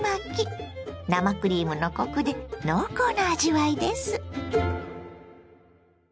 生クリームのコクで濃厚な味わいです。